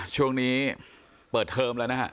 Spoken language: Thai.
ช่วงนี้เปิดเทมแล้วนะครับ